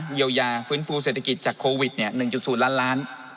เยียวยาฟื้นฟูเศรษฐกิจจากโควิด๑๐ล้านล้าน